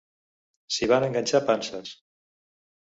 S'hi van enganxar panses.